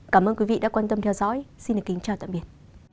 cảm ơn quý vị đã quan tâm theo dõi xin kính chào tạm biệt